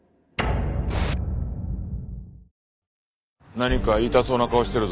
何か言いたそうな顔してるぞ。